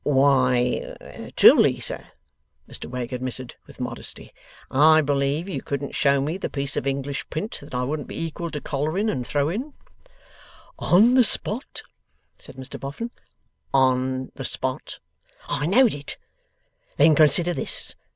'Why, truly, sir,' Mr Wegg admitted, with modesty; 'I believe you couldn't show me the piece of English print, that I wouldn't be equal to collaring and throwing.' 'On the spot?' said Mr Boffin. 'On the spot.' 'I know'd it! Then consider this.